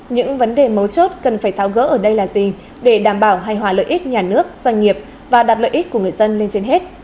những vấn đề mấu chốt cần phải tháo gỡ ở đây là gì để đảm bảo hài hòa lợi ích nhà nước doanh nghiệp và đặt lợi ích của người dân lên trên hết